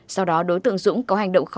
sau đó đối tượng dũng có hành động khó khăn